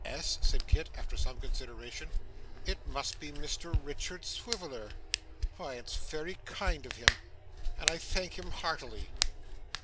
S.!' said Kit, after some consideration. 'It must be Mr Richard Swiveller. Well, its very kind of him, and I thank him heartily.